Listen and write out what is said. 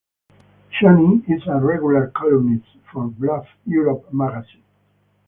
Channing is a regular columnist for Bluff Europe Magazine.